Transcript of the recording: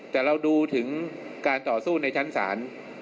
แต่เราดูถึงการต่อสู้ในชั้นศาล